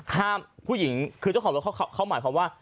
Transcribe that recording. ผู้หญิงคือเจ้าของรถเขาหมายความว่า